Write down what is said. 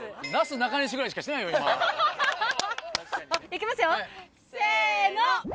行きますよせの！